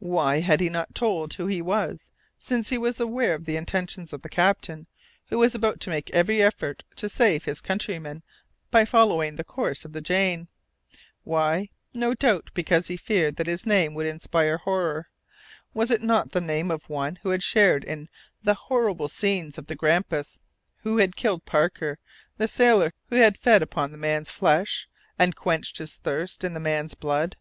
Why had he not told who he was, since he was aware of the intentions of the captain, who was about to make every effort to save his countrymen by following the course of the Jane? Why? No doubt because he feared that his name would inspire horror. Was it not the name of one who had shared in the horrible scenes of the Grampus, who had killed Parker, the sailor, who had fed upon the man's flesh, and quenched his thirst in the man's blood?